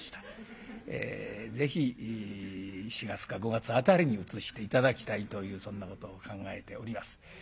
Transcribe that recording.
えぜひ４月か５月辺りに移して頂きたいというそんなことを考えております。